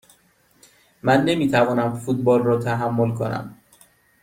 من نمی توانم فوتبال را تحمل کنم.